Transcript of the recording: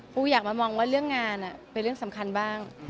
อยากมามองว่าเรื่องงานเป็นเรื่องสำคัญบ้าง